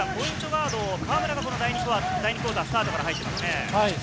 ガード、河村が第２クオータースタートから入っていますね。